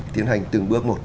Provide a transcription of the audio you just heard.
tiến hành từng bước một